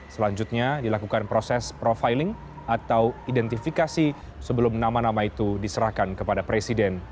selanjutnya dilakukan proses profiling atau identifikasi sebelum nama nama itu diserahkan kepada presiden